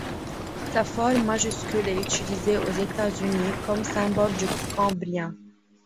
Sa forme majuscule est utilisée aux États-Unis comme symbole du Cambrien.